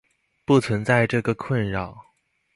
不存在这个困扰。